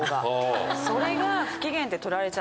それが。